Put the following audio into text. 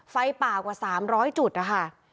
ไฟป่ากว่า๓๐๐จุดนะคะ